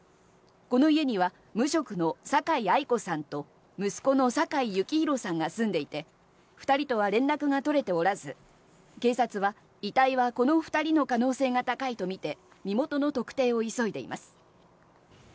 この家には無職の坂井アイ子さんと息子の坂井幸広さんが住んでいて２人とは連絡が取れておらず警察は遺体はこの２人の可能性が高いとみて身元の特定を急いでいます。